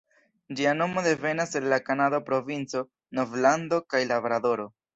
Ĝia nomo devenas el la kanada provinco Novlando kaj Labradoro.